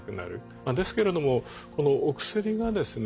ですけれどもこのお薬がですね